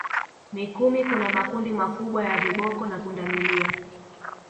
Mikumi kuna makundi makubwa ya viboko na pundamilia